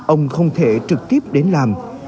ông không thể trực tiếp đến làm